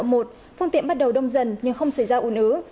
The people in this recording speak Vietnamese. phương tiện bắt đầu đông dần nhưng không xảy ra ủ ứ